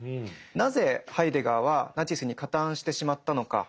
なぜハイデガーはナチスに加担してしまったのか。